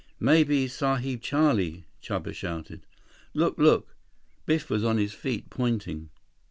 "Maybe Sahib Charlie," Chuba shouted. "Look! Look!" Biff was on his feet, pointing.